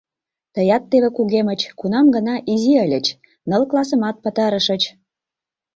— Тыят теве кугемыч, кунам гына изи ыльыч, ныл классымат пытарышыч...